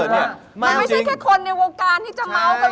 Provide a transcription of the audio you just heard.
มันไม่ใช่แค่คนในวงการที่จะเมาส์กัน